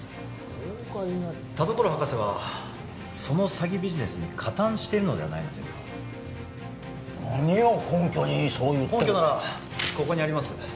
法外な利益田所博士はその詐欺ビジネスに加担しているのではないのですか何を根拠にそう言ってる根拠ならここにあります